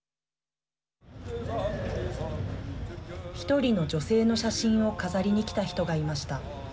１人の女性の写真を飾りに来た人がいました。